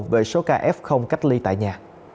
về số ca f cách ly tại nhà